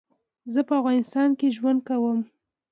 زه په افغانستان کي ژوند کوم